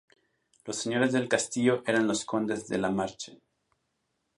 Los señores del castillo eran los condes de La Marche.